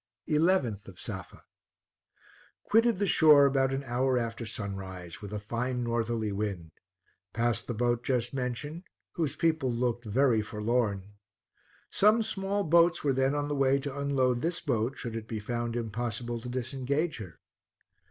11th of Safa. Quitted the shore about an hour after sunrise, with a fine northerly wind. Passed the boat just mentioned, whose people looked very forlorn. Some small boats were then on the way to unload this boat, should it be found impossible to disengage her.